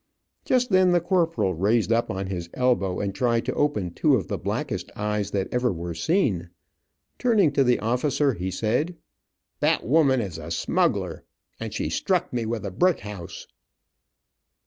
Just then the corporal raised up on his elbow and tried to open two of the blackest eyes that ever were seen. Turning to the officer, he said: "That woman is a smuggler, and she struck me with a brick house!